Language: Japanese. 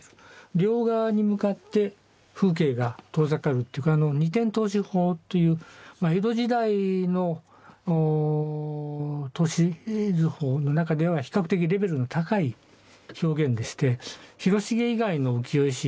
両側に向かって風景が遠ざかるっていうか二点透視法という江戸時代の透視図法の中では比較的レベルの高い表現でして広重以外の浮世絵師はあまりこれをうまく描けてる人はいないですね。